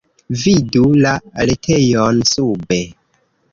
Vidu la retejon sube.